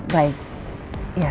baik ya terima kasih